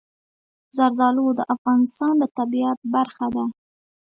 زردالو د افغانستان د طبیعت برخه ده.